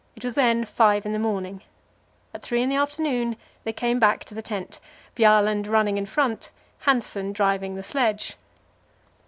It was then five in the morning. At three in the afternoon they came back to the tent, Bjaaland running in front, Hanssen driving the sedge.